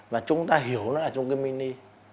và chúng ta hiểu nó là trung cư mini